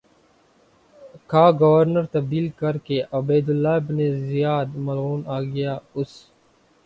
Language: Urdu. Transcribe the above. کا گورنر تبدیل کرکے عبیداللہ ابن زیاد ملعون آگیا اس